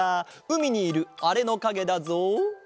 うみにいるあれのかげだぞ。